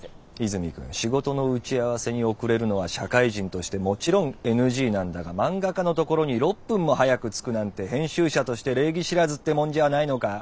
泉くん仕事の打ち合わせに遅れるのは社会人としてもちろんＮＧなんだが漫画家のところに「６分」も早く着くなんて編集者として礼儀知らずってもんじゃあないのかッ？